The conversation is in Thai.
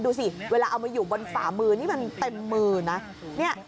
ดูสิเวลาเอามาอยู่บนฝ่ามือนี่มันเต็มมือนะ